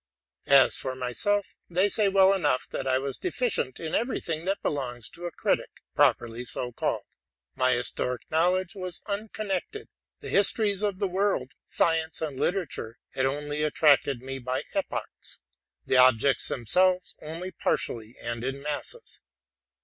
As for myself, they saw well enough that I was deficient in every thing that belongs to a critic, properly so called. My historical knowledge was unconnected: the histories of the world, science, and literature had only attracted me by epochs, the objects themselves only partially and in masses.